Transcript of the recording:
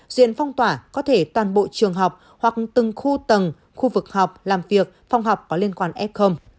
diện phong tỏa có thể toàn bộ trường học hoặc từng khu tầng khu vực học làm việc phòng học có liên quan f